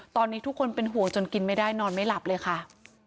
ตอนนี้ทุกคนเป็นห่วงจนกินไม่ได้นอนไม่หลับเลยค่ะ